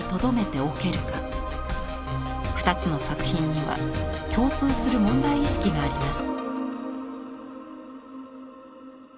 ２つの作品には共通する問題意識があります。